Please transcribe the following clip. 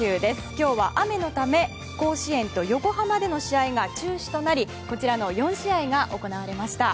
今日は雨のため甲子園と横浜での試合が中止となりこちらの４試合が行われました。